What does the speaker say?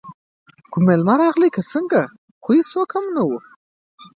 کوم میلمه راغلی که څنګه، خو هېڅوک هم نه وو.